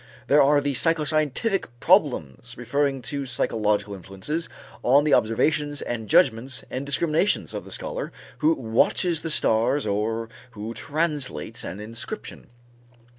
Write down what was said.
There are the psychoscientific problems referring to psychological influences on the observations and judgments and discriminations of the scholar who watches the stars or who translates an inscription.